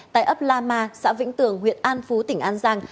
tại ấp la ma xã vĩnh tường huyện an phú tỉnh an giang